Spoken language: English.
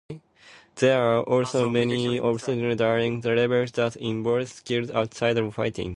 There are also many obstacles during the levels that involve skills outside of fighting.